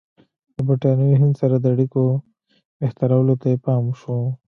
د برټانوي هند سره د اړیکو بهترولو ته یې پام شو.